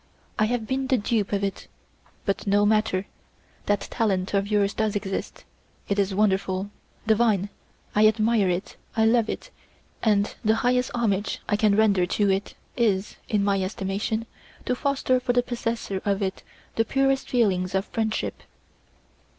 I have been the dupe of it, but no matter; that talent of yours does exist, it is wonderful, divine, I admire it, I love it, and the highest homage I can render to it is, in my estimation, to foster for the possessor of it the purest feelings of friendship.